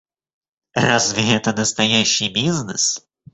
Разве это настоящий бизнес?